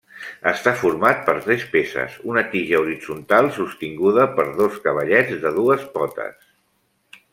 Està format per tres peces: una tija horitzontal sostinguda per dos cavallets de dues potes.